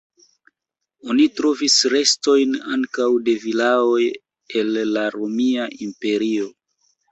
Oni trovis restojn ankaŭ de vilaoj el la Romia Imperio.